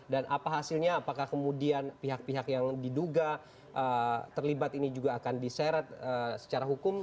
dan apa hasilnya apakah kemudian pihak pihak yang diduga terlibat ini juga akan diseret secara hukum